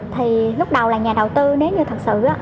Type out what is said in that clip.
thì lúc đầu là nhà đầu tư nếu như thật sự á